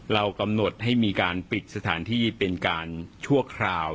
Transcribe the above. เรากำหนดให้มีการปิดสถานที่เป็นการชั่วคราว